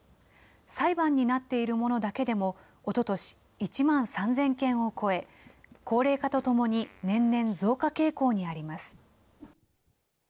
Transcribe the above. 裁判になっているものだけでも、おととし１万３０００件を超え、高齢化とともに年々増加傾向にあります。